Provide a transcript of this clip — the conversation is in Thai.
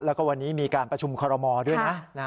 แล้วก็วันนี้มีการประชุมคอรมอลด้วยนะ